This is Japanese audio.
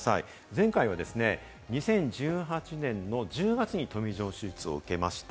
前回は２０１８年の１０月にトミー・ジョン手術を受けました。